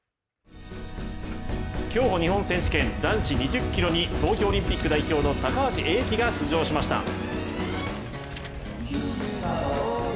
競歩日本選手権男子２０ｋｍに東京オリンピック代表の高橋英輝が出場しました。